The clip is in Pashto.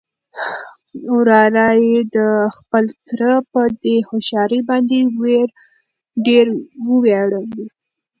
وراره يې د خپل تره په دې هوښيارۍ باندې ډېر ووياړل.